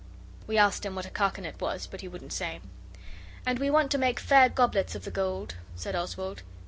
We asked him what a carcanet was, but he wouldn't say. 'And we want to make fair goblets of the gold,' said Oswald.